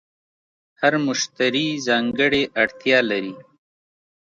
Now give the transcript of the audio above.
هر مشتری ځانګړې اړتیا لري.